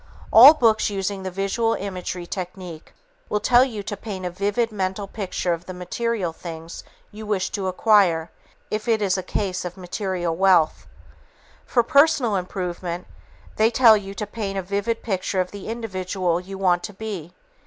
All books using the visual imagery technique tell you to paint a vivid, mental picture of the material things you wish to acquire, if it is a case of material wealth. For personal improvement, they tell you to paint a vivid picture of the individual you want to be.